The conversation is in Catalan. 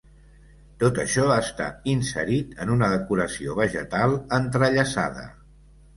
Tot això està inserit en una decoració vegetal entrellaçada.